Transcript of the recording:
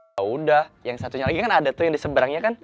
ya udah yang satunya lagi kan ada tuh yang diseberangnya kan